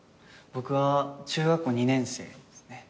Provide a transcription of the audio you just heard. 僕は中学校２年生ですね。